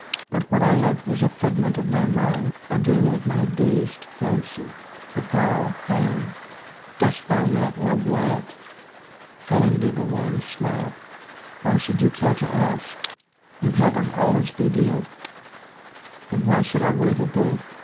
But what I loved was a figment of my mind, a dream of my dazed fancy. But thou — Helen, dost thou not love Wyatt?" Helen gave a wan smile. " Why should you care to ask ?... In heaven all is revealed." " Then why should I wait a day